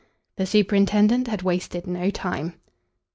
The superintendent had wasted no time.